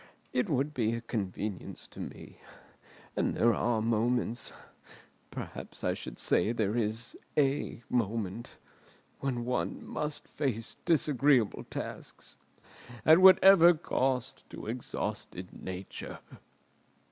It would be a convenience to me, and there are moments—perhaps I should say there is a moment—when one must face disagreeable tasks, at whatever cost to exhausted nature!"